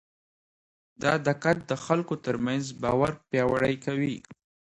دا دقت د خلکو ترمنځ باور پیاوړی کوي.